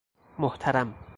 محترم